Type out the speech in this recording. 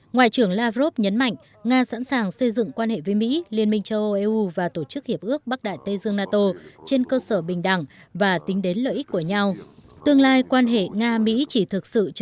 ngoại trưởng lavrov nhấn mạnh nga sẵn sàng xây dựng quan hệ với mỹ liên minh châu âu eu và tổ chức hiệp ước